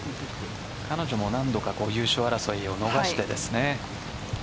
彼女も何度か優勝争いを逃して。